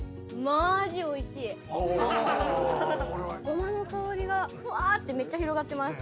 ゴマの香りがふわーってめっちゃ広がってます。